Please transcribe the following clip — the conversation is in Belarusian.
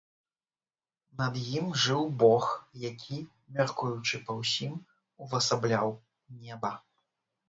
Над ім жыў бог, які, мяркуючы па ўсім, увасабляў неба.